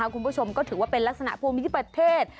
คุณผู้ชมก็ถือว่าเป็นลักษณะภูมิประเทศ